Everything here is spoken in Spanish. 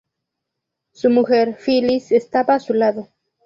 Su mujer, Phyllis, estaba a su lado.